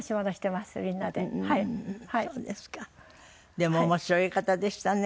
でも面白い方でしたね